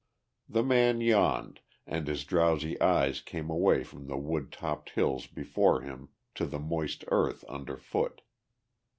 The man yawned and his drowsy eyes came away from the wood topped hills before him to the moist earth under foot.